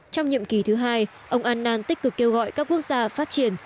trong nhiệm kỳ thứ hai ông annan tích cực kêu gọi các quốc gia phát triển